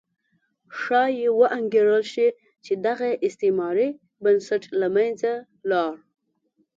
ښایي وانګېرل شي چې دغه استعماري بنسټ له منځه لاړ.